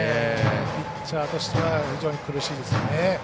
ピッチャーとしては非常に苦しいですね。